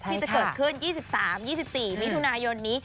ที่จะเกิดขึ้น๒๓๒๔มิถุนายนนี้